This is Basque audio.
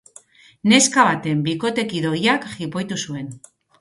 Neska baten bikotekide ohiak jipoitu zuen.